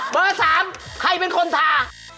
สิรินทราเป็นคนทา